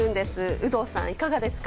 有働さん、いかがですか？